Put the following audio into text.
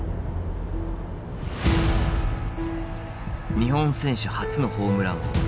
日本選手初のホームラン王。